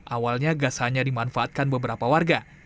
awalnya gas hanya dimanfaatkan beberapa warga